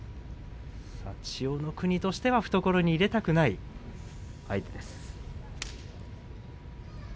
千代の国としては懐に入れたくない相手です。